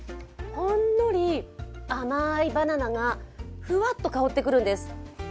ほんのり甘いバナナがふわっと香ってくるんです。